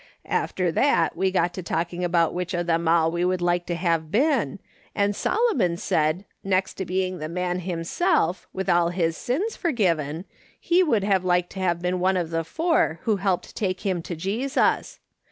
After tliat we got to talkinc: about which of them all we would like to have been, and Solomon said, next to being tlie man himself, with all his sins forgiven, lie wouhl like to have been one of the four who helped take him to Jesus.